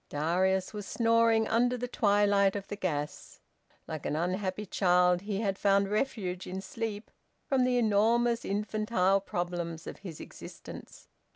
Darius was snoring under the twilight of the gas. Like an unhappy child, he had found refuge in sleep from the enormous, infantile problems of his existence.